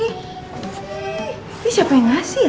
ini siapa yang ngasih ya